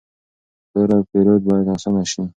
پلور او پېرود باید آسانه شي.